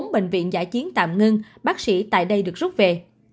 bệnh viện giải chiến tạm ngưng bác sĩ tại đây được rút về